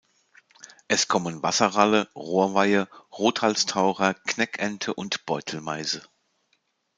Es kommen Wasserralle, Rohrweihe, Rothalstaucher, Knäkente und Beutelmeise.